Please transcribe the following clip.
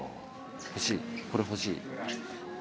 欲しいこれ欲しい。